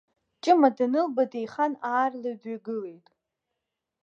Ҷыма данылба деихан аарла дҩагылеит.